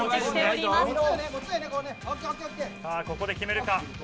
ここで決めるか。